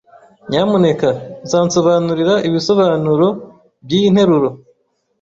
Nyamuneka uzansobanurira ibisobanuro byiyi nteruro?